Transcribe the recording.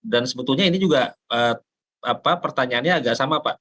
dan sebetulnya ini juga pertanyaannya agak sama pak